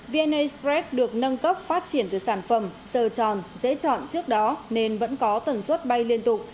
vna spread được nâng cấp phát triển từ sản phẩm dờ tròn dễ chọn trước đó nên vẫn có tần suất bay liên tục